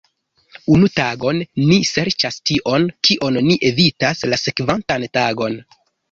Unu tagon, ni serĉas tion, kion ni evitas la sekvantan tagon.